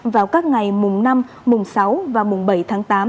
vào các ngày mùng năm mùng sáu và mùng bảy tháng tám